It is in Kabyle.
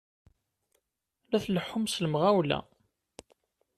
La tleḥḥum s lemɣawla!